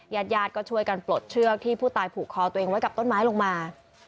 ญาติญาติก็ช่วยกันปลดเชือกที่ผู้ตายผูกคอตัวเองไว้กับต้นไม้ลงมา